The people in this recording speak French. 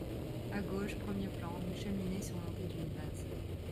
À gauche, premier plan, une cheminée surmontée d’une glace.